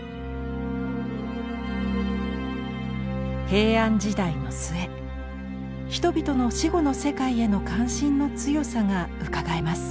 平安時代の末人々の死後の世界への関心の強さがうかがえます。